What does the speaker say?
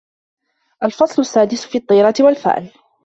الْفَصْلُ السَّادِسُ فِي الطِّيَرَةِ وَالْفَأْلِ